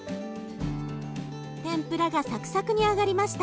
天ぷらがサクサクに揚がりました。